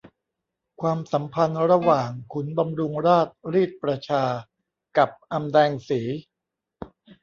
ความสัมพันธ์ระหว่างขุนบำรุงราชรีดประชากับอำแดงสี